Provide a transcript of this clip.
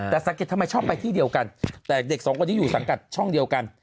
แต่สังเกตทำไมชอบไปที่เดียวกันแต่เด็กสองคนนี้อยู่สังกัดช่องเดียวกัน